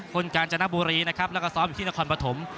กาญจนบุรีนะครับแล้วก็ซ้อมอยู่ที่นครปฐม